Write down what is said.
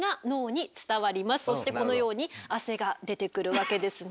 そしてこのように汗が出てくるわけですね。